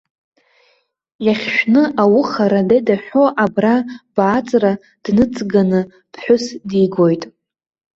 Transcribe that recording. Иахьшәны ауха, радеида ҳәо, абра бааҵра дныҵганы ԥҳәыс дигоит.